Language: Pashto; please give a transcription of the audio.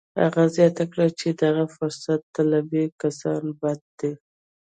هغه زیاته کړه چې دغه فرصت طلبي کسان بد دي